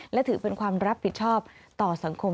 และถือเป็นความรับผิดชอบต่อสังคม